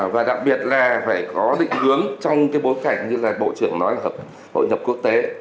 và đặc biệt là phải có định hướng trong cái bối cảnh như là bộ trưởng nói là hội nhập quốc tế